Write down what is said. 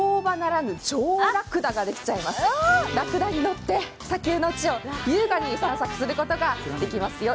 らくだに乗って、砂丘の地を優雅に散策することができますよ。